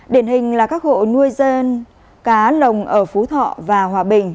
điển hình là các hộ nuôi dên cá lồng ở phú thọ và hòa bình